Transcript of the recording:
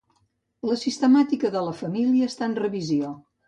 La sistemàtica de la família està en revisió.